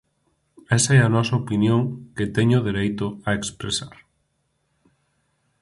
Esa é a nosa opinión que teño dereito a expresar.